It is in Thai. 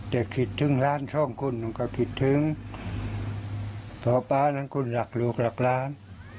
จะคิดถึงร้านช่องคุณก็คิดถึงพ่อป๊านั้นคุณหลักลูกหลักร้าน